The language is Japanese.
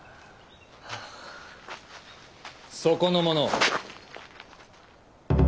そこの者！